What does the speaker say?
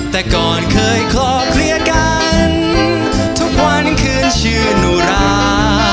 แต่ก่อนเคยขอเคลียร์กันทุกวันคืนชื่อนุรา